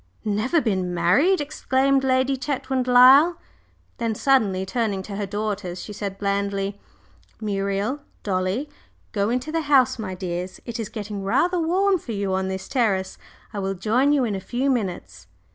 "Never been married!" exclaimed Lady Chetwynd Lyle, then suddenly turning to her daughters she said blandly: "Muriel, Dolly, go into the house, my dears. It is getting rather warm for you on this terrace. I will join you in a few minutes."